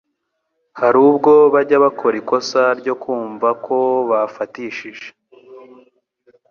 hari ubwo bajya bakora ikosa ryo kumva ko bafatishije